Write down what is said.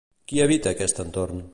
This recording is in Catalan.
Qui habita aquest entorn?